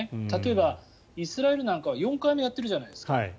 例えば、イスラエルなんかは４回目やっているじゃないですか